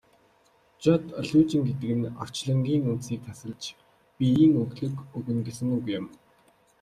Жод лүйжин гэдэг нь орчлонгийн үндсийг тасалж биеийн өглөг өгнө гэсэн үг юм.